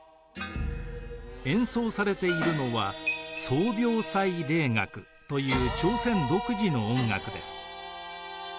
演奏されているのは宗廟祭礼楽という朝鮮独自の音楽です。